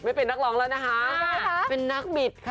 ไม่เป็นนักร้องแล้วนะคะเป็นนักบิดค่ะ